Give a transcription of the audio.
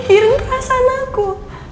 gak mikirin perasaan aku